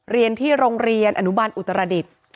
เรียนที่โรงเรียนอนุบันอุตรดิษฐ์